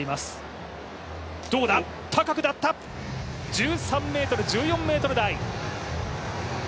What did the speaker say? １３ｍ、１４ｍ台。